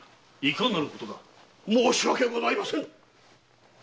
申し訳ございません！